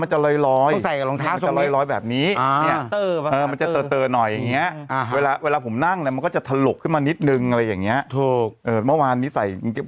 เหมือนชาวเลยชาวเค้าก็ถามเหมือนกันว่า